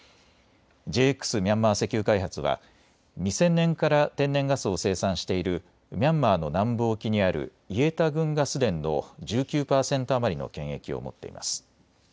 ミャンマー石油開発は２０００年から天然ガスを生産しているミャンマーの南部沖にあるイエタグンガス田の１９％余りの権益を持っています。